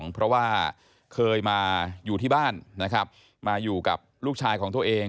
เพราะว่าเคยมาอยู่ที่บ้านนะครับมาอยู่กับลูกชายของตัวเอง